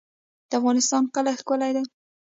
د افغانستان کالي ښکلي دي